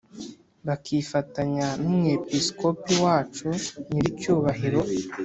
bakifatanya n’umwepiskopi wacu nyiricyubahiro